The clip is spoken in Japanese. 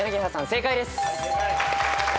正解です。